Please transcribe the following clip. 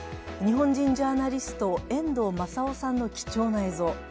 日本人ジャーナリスト、遠藤正雄さんの貴重な映像